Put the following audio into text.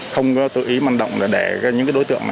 không có tự ý vận động để những đối tượng